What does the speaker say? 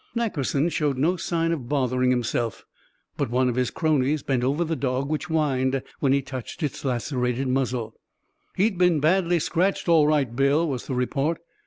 Nackerson showed no sign of bothering himself; but one of his cronies bent over the dog, which whined when he touched its lacerated muzzle. "He's been badly scratched, all right, Bill," was the report.